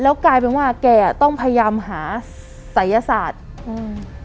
แล้วกลายเป็นว่าแกอ่ะต้องพยายามหาศัยศาสตร์อืม